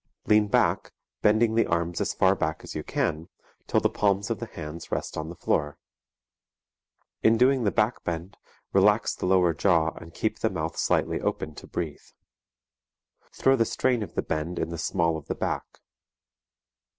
Lean back, bending the arms as far back as you can, till the palms of the hands rest on the floor. In doing the back bend, relax the lower jaw and keep the mouth slightly open to breathe. Throw the strain of the bend in the small of the back.